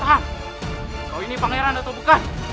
kau ini pangeran atau bukan